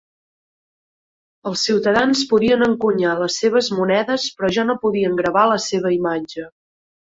Els ciutadans podien encunyar les seves monedes però ja no podien gravar la seva imatge.